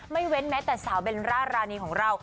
เว้นแม้แต่สาวเบลล่ารานีของเรา